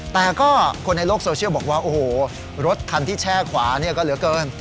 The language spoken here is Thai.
แต่ก็คนในโลกโซเชียลบอกว่าโอ้โหรถคันที่แช่ขวาเนี่ยก็เหลือเกิน